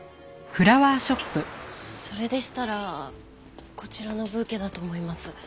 それでしたらこちらのブーケだと思います。